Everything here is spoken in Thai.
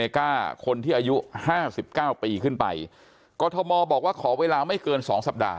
คนที่อายุห้าสิบเก้าปีขึ้นไปกรทมบอกว่าขอเวลาไม่เกินสองสัปดาห